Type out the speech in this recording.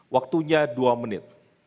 waktunya dua menit